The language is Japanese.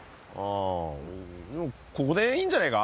あここでいいんじゃないか？